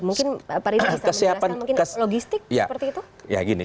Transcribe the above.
mungkin pak ridwan bisa menjelaskan logistik seperti itu